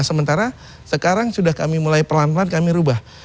sementara sekarang sudah kami mulai pelan pelan kami ubah